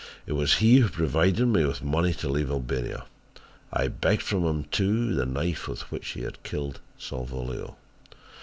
It was he who provided me with money to leave Albania. I begged from him, too, the knife with which he had killed Salvolio.